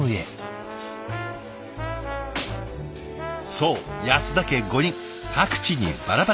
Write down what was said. そう安田家５人各地にバラバラ。